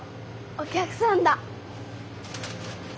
お客さんだ。